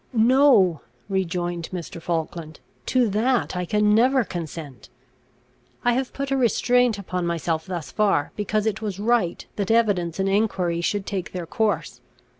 "No," rejoined Mr. Falkland, "to that I can never consent. I have put a restraint upon myself thus far, because it was right that evidence and enquiry should take their course.